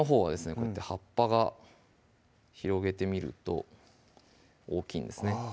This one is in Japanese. こうやって葉っぱが広げてみると大きいんですねあぁ